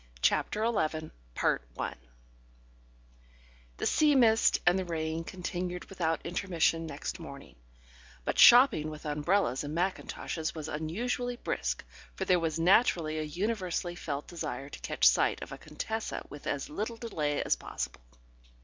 CHAPTER ELEVEN The sea mist and the rain continued without intermission next morning, but shopping with umbrellas and mackintoshes was unusually brisk, for there was naturally a universally felt desire to catch sight of a Contessa with as little delay as possible.